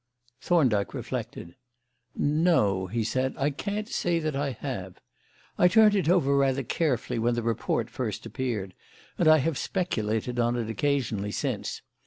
Thorndyke reflected. "No," he said, "I can't say that I have. I turned it over rather carefully when the report first appeared, and I have speculated on it occasionally since.